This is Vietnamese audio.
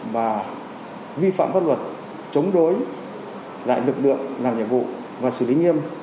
và vi phạm pháp luật chống đối lại lực lượng làm nhiệm vụ và xử lý nghiêm